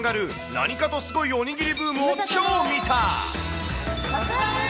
何かとすごいおにぎりブームを超見た。